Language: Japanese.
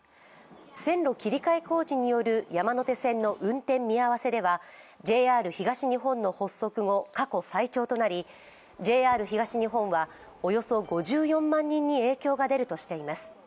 線路切り替え工事による山手線の運転見合わせではＪＲ東日本の発足後、過去最長となりＪＲ東日本は、およそ５４万人に影響が出るとしています。